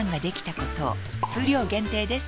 数量限定です